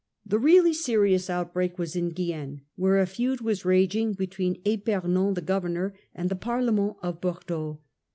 The really serious Outbreak in outbreak was in Guienne, where a feud was Guienne. raging between Epemon, the governor, and the Parlement of Bordeaux.